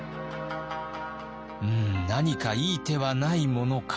「うん何かいい手はないものか」。